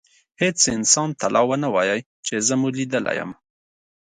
هیڅ انسان ته لا ونه وایئ چي زه مو لیدلی یم.